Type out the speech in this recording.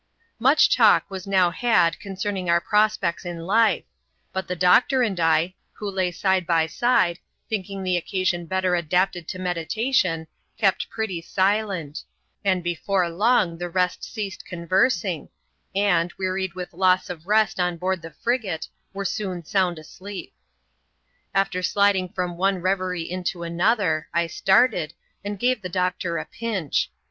Much talk was now had concerning our prospects in life ; but tba doctor and I, who lay side by side, thinking the occa aun better adapted to meditation, kept pretty silent ; and, be fbve loDga the rest ceased conversing, and, wearied with loss of rest on board the frigate, were soon sound asleep. After sliding from one revery into another, I started^ and gawe the doctor a pinch.